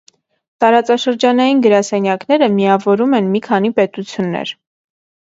Տարածաշրջանային գրասենյակները միավորում են մի քանի պետություններ։